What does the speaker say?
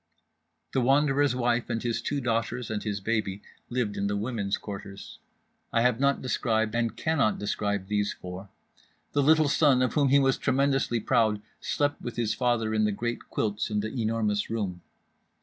The Wanderer's wife and his two daughters and his baby lived in the women's quarters. I have not described and cannot describe these four. The little son of whom he was tremendously proud slept with his father in the great quilts in The Enormous Room.